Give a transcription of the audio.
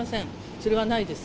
それはないです。